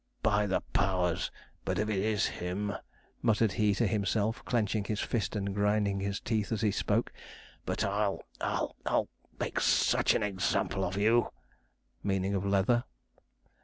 'By the powers, but if it is him,' muttered he to himself, clenching his fist and grinding his teeth as he spoke, 'but I'll I'll I'll make sich an example of you,' meaning of Leather.